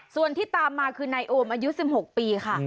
ส่วนที่ตามมาคือนายโอมอายุ๑๖ปีค่ะ